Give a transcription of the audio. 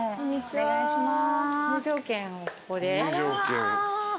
お願いします。